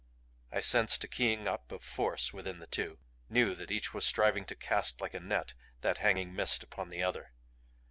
I sensed a keying up of force within the two; knew that each was striving to cast like a net that hanging mist upon the other.